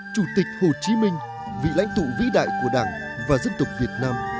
chủ tịch hồ chí minh vị lãnh thụ vĩ đại của đảng và dân tộc việt nam